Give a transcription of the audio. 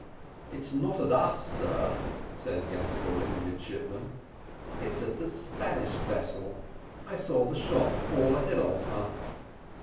"It's not at us, sir," said Gascoigne, the midshipman; "its at the Spanish vessel I saw the shot fall ahead of her."